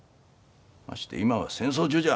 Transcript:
まして今は戦争中じゃ。